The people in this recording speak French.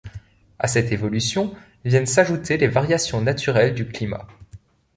À cette évolution viennent s'ajouter les variations naturelles du climat.